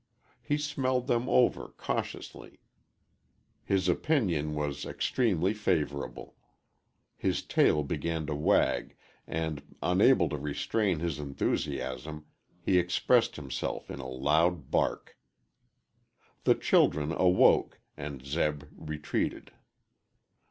He smelled them over cautiously. His opinion was extremely favorable. His tail began to wag, and, unable to restrain his enthusiasm, he expressed himself in a loud bark. The children awoke, and Zeb retreated.